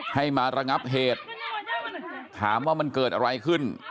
ให้มาระงับเหตุถามว่ามันเกิดอะไรขึ้น